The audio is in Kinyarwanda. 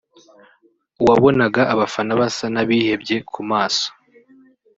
wabonaga abafana basa n’abihebye ku maso